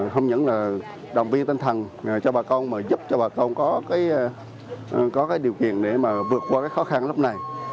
không những là đồng viên tinh thần cho bà con mà giúp cho bà con có điều kiện để vượt qua khó khăn lúc này